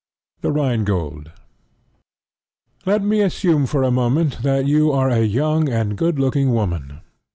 THE RHINE GOLD Let me assume for a moment that you are a young and good looking woman.